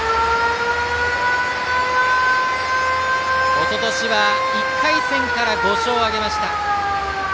おととしは１回戦から５勝を挙げました。